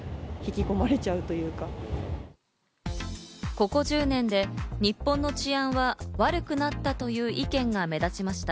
ここ１０年で日本の治安は悪くなったという意見が目立ちました。